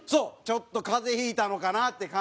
ちょっと風邪引いたのかなって感じ。